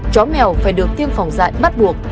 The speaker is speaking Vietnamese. chó mèo phải được tiêm phòng dạy bắt buộc